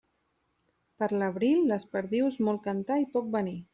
Per l'abril les perdius molt cantar i poc venir.